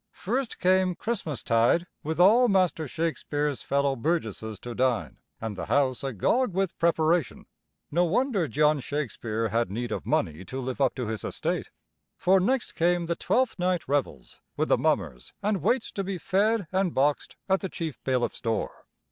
First came Christmastide, with all Master Shakespeare's fellow burgesses to dine and the house agog with preparation. No wonder John Shakespeare had need of money to live up to his estate, for next came the Twelfth Night revels with the mummers and waits to be fed and boxed at the chief bailiff's door.